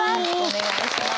お願いします！